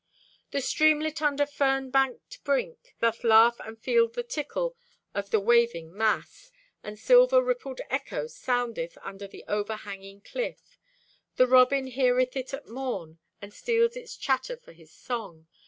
The streamlet under fernbanked brink Doth laugh to feel the tickle of the waving mass; And silver rippled echo soundeth Under over hanging cliff. The robin heareth it at morn And steals its chatter for his song.